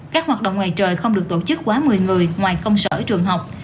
các hoạt động ngoài trời không được tổ chức quá một mươi người ngoài công sở trường học